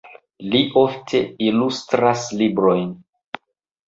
Li ofte ilustras librojn.